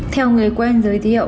theo người quen giới thiệu